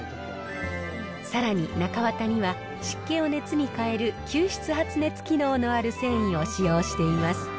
さらに中綿には、湿気を熱に変える吸湿発熱機能のある繊維を使用しています。